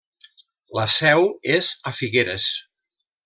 La seu és a Figueres.